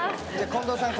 近藤さん